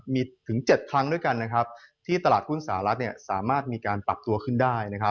มีถึง๗ครั้งด้วยกันที่ตลาดหุ้นสหรัฐสามารถมีการปรับตัวขึ้นได้